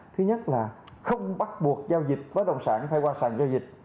thứ nhất là không bắt buộc giao dịch bất đồng sản phải qua sàn giao dịch